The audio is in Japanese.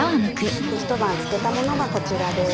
ひと晩漬けたものがこちらです。